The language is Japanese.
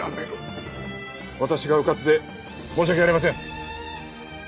私が迂闊で申し訳ありません。